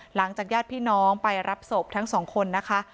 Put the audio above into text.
ญาติพี่น้องไปรับศพทั้งสองคนนะคะ